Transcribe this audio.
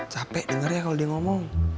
capek dengar ya kalau dia ngomong